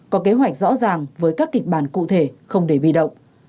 có kế hoạch rõ ràng với các kịch bản cụ thể không để bị động